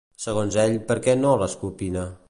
Segons ell, per què no l'escopina?